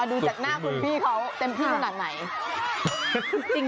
ดูจากหน้าคุณพี่เขาเต็มที่ขนาดไหน